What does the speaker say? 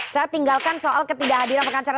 saya tinggalkan soal ketidakhadiran pengacara